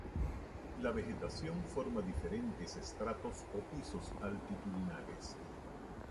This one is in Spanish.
La vegetación forma diferentes estratos o pisos altitudinales.